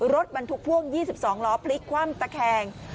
รถบรรทุกพ่วง๒๒ล้อพลิกคว่ำตะแคง